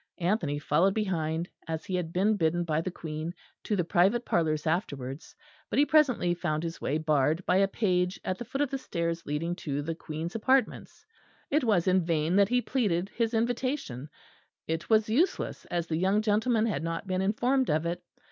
Anthony followed behind, as he had been bidden by the Queen to the private parlours afterwards; but he presently found his way barred by a page at the foot of the stairs leading to the Queen's apartments. It was in vain that he pleaded his invitation; it was useless, as the young gentleman had not been informed of it.